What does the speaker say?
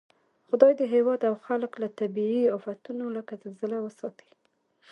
خدای دې هېواد او خلک له طبعي آفتو لکه زلزله وساتئ